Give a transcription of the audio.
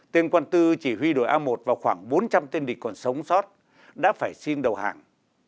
tên quân tư chỉ huy đồi a một và khoảng bốn trăm linh tên địch còn sống sót đã phải xin đầu hàng